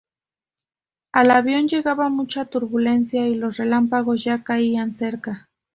Al avión llegaba mucha turbulencia y los relámpagos ya caían cerca.